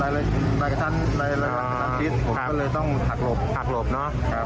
อ่าผมตามหลังรถที่คนกันมามากับชั้นมากับชั้นชิด